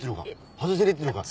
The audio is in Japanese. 外せねえっていうのか？